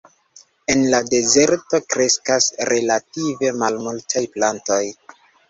En la dezerto kreskas relative malmultaj plantoj.